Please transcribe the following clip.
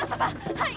はい！